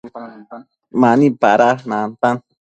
Mani pada nantan